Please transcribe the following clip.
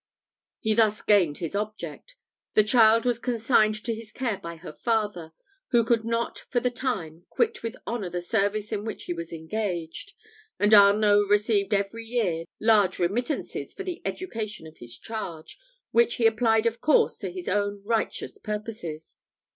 He thus gained his object: the child was consigned to his care by her father, who could not for the time quit with honour the service in which he was engaged; and Arnault received every year large remittances for the education of his charge, which he applied of course to his own righteous purposes.